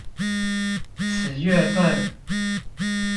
此月份